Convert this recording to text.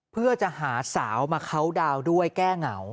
เพื่อจะหาสาวมาเคาน์ดาวน์ด้วยแก้เหงา